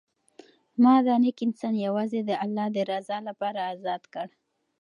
ما دا نېک انسان یوازې د الله د رضا لپاره ازاد کړ.